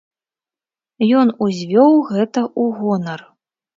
Ён узвёў гэта ў гонар.